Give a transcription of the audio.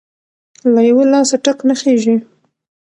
ـ له يوه لاسه ټک نخيژي.